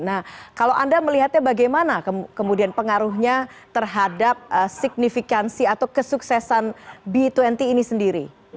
nah kalau anda melihatnya bagaimana kemudian pengaruhnya terhadap signifikansi atau kesuksesan b dua puluh ini sendiri